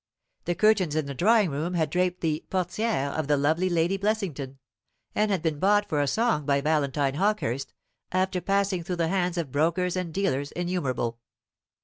The curtains in the drawing room had draped the portières of the lovely Lady Blessington, and had been bought for a song by Valentine Hawkehurst, after passing through the hands of brokers and dealers innumerable.